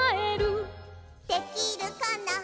「できるかな」